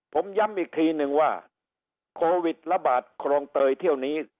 ผมย้ำอีกทีนึงว่าโควิดระบาดคลองเตยเที่ยวนี้